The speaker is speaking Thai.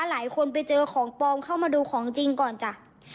หลายคนไปเจอของปลอมเข้ามาดูของจริงก่อนจ้ะ